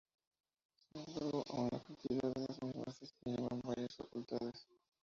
Sin embargo, aún la cantidad de las mismas es mínima en varias Facultades.